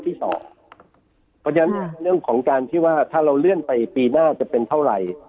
เพราะฉะนั้นเรื่องของการที่ว่าถ้าเราเลื่อนไปปีหน้าจะเป็นเท่าไหร่